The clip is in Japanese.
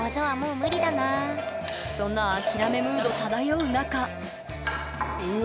そんな諦めムード漂う中うわ。